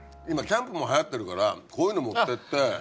今キャンプも流行ってるからこういうの持ってって。